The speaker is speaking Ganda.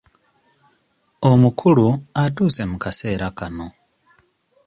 Omukulu atuuse mu kaseera kano.